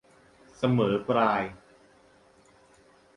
เสมอปลาย